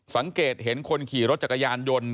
สังเกตเห็นคนขี่รถจักรยานยนต์